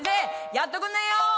やっとくんねえよォ！」。